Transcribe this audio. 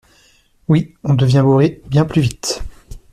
Oui on devient bourré bien plus vite.